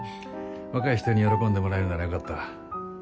若い人に喜んでもらえるならよかった。